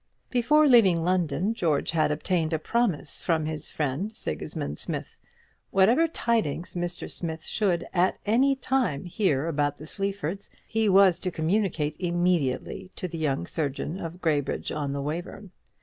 Before leaving London, George had obtained a promise from his friend Sigismund Smith. Whatever tidings Mr. Smith should at any time hear about the Sleafords, he was to communicate immediately to the young surgeon of Graybridge on the Wayverne.